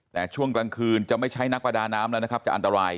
แต่ช่วงกลางคืนจะไม่ใช้นักประดาน้ำแล้วนะครับจะอันตราย